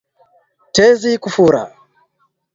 Tezi kufura